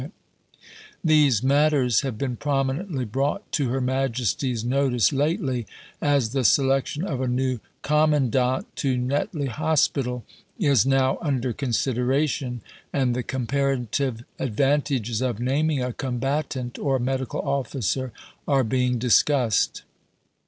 These matters have been prominently brought to Her Majesty's notice lately, as the selection of a new Commandant to Netley Hospital is now under consideration, and the comparative advantages of naming a Combatant or Medical officer are being discussed.